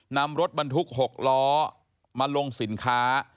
นำรถบรรทุก๖ล้อมาลงสินค้า